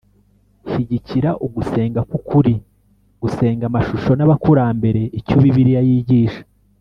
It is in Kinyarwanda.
Shyigikira ugusenga k ukuri Gusenga amashusho n abakurambere Icyo Bibiliya yigisha